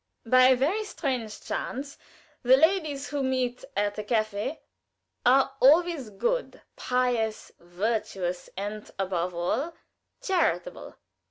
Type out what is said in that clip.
By a very strange chance the ladies who meet at a klatsch are always good, pious, virtuous, and, above all, charitable.